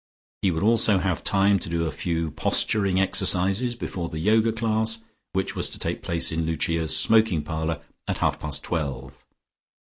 He would also have time to do a few posturing exercises before the first Yoga class, which was to take place in Lucia's smoking parlour at half past twelve.